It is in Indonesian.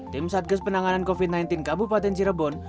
tim satgas penanganan covid sembilan belas kabupaten cirebon